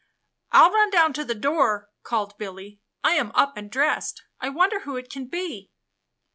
''I'll run down to the door," called Billy. " I am up and dressed. I wonder who it can be?